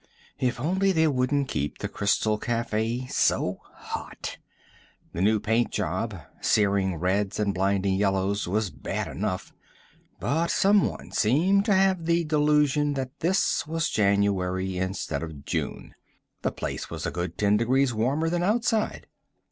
If only they wouldn't keep the Crystal Cafe so hot! The new paint job searing reds and blinding yellows was bad enough, but someone seemed to have the delusion that this was January instead of June; the place was a good ten degrees warmer than outside.